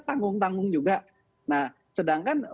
tanggung tanggung juga nah sedangkan